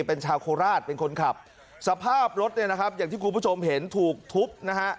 เป็นชาวโคราชเป็นคนขับสภาพรถเนี่ยนะครับอย่างที่คุณผู้ชมเห็นถูกทุบนะฮะ